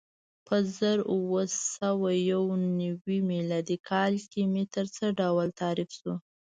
په زر اووه سوه یو نوې میلادي کال کې متر څه ډول تعریف شو؟